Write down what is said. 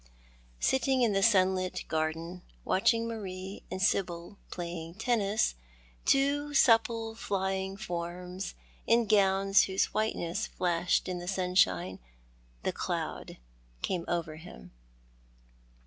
Sitting in the sunlit garden watching Marie and Sibyl playing tennis — two supple flying forms, in gowns whose whiteness flashed in the sunshine — the cloud came over him.